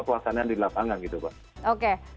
kelaksanaan di lapangan gitu pak